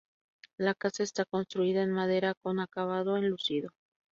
La casa está construida en madera con acabado enlucido.